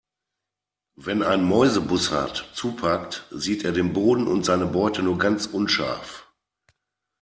Wenn ein Mäusebussard zupackt, sieht er den Boden und seine Beute nur ganz unscharf.